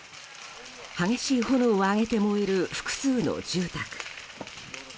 激しい炎を上げて燃える複数の住宅。